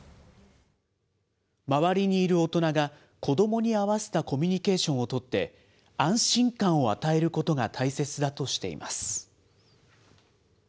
周りにいる大人が、子どもに合わせたコミュニケーションを取って、安心感を与えることが大切だとしています。